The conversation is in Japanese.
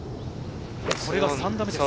これが３打目です。